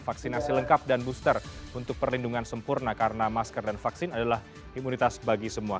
vaksinasi lengkap dan booster untuk perlindungan sempurna karena masker dan vaksin adalah imunitas bagi semua